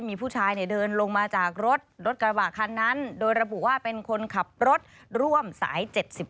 มีผู้ชายเดินลงมาจากรถรถกระบะคันนั้นโดยระบุว่าเป็นคนขับรถร่วมสาย๗๒